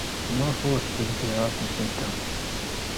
Maɣef ur d-tebdir ara tamsalt-a?